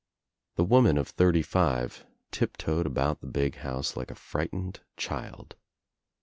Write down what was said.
The woman of thirty five tip toed about the big house like a frightened child.